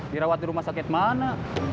dirawat di rumah sakit mana